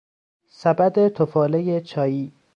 سبد تفاله چایی